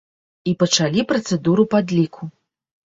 І пачалі працэдуру падліку.